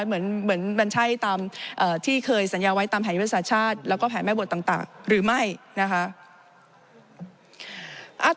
เหมือนมันใช่ตามที่เคยสัญญาไว้ตามแผนยุทธศาสตร์ชาติแล้วก็แผนแม่บทต่างหรือไม่นะคะ